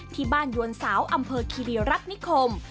ที่บ้านยวนสาวอำเภอคิริรัตนิคม